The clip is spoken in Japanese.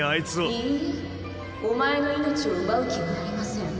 いいえお前の命を奪う気はありません。